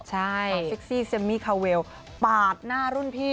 เอาเซ็กซี่เม่คาเวลปาดหน้ารุ่นพี่